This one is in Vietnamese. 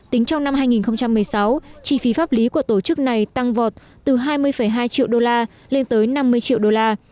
tính trong năm hai nghìn một mươi sáu chi phí pháp lý của tổ chức này tăng vọt từ hai mươi hai triệu usd lên tới năm mươi triệu usd